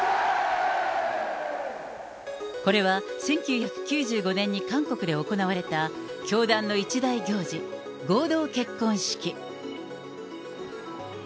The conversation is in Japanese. これは、１９９５年に韓国で行われた教団の一大行事、合同結婚式。